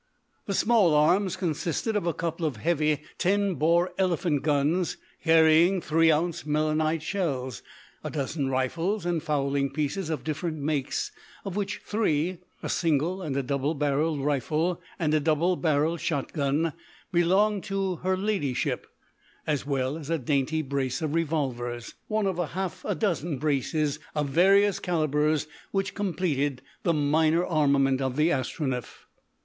The small arms consisted of a couple of heavy ten bore elephant guns carrying three ounce melinite shells; a dozen rifles and fowling pieces of different makes of which three, a single and a double barrelled rifle and a double barrelled shot gun, belonged to her Ladyship, as well as a dainty brace of revolvers, one of half a dozen braces of various calibres which completed the minor armament of the Astronef.